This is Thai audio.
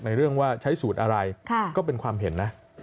เรื่องว่าใช้สูตรอะไรก็เป็นความเห็นนะ